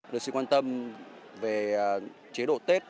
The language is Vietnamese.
được sự quan tâm về chế độ tết